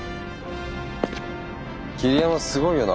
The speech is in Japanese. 桐山すごいよな。